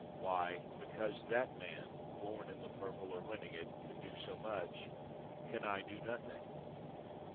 Why, because that man, born in the purple or winning it, can do so much, can I do nothing?